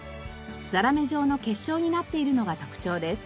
ザラメ状の結晶になっているのが特徴です。